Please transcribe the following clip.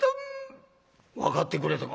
「分かってくれたか？